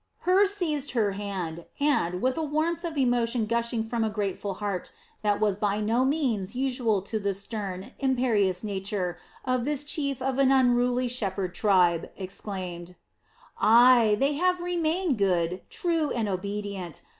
Hur seized her hand and, with a warmth of emotion gushing from a grateful heart that was by no means usual to the stern, imperious nature of this chief of an unruly shepherd tribe, exclaimed: "Ay, they have remained good, true, and obedient.